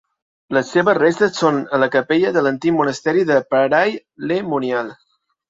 Les seves restes són a la capella de l'antic monestir de Paray-le-Monial.